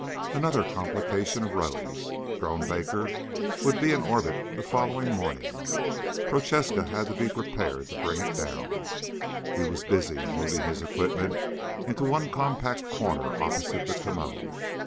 Another complication arose. Drone Baker would be in orbit the following morning. Prochaska had to be prepared to bring it down. He was busy moving his equipment into one compact corner opposite the commode.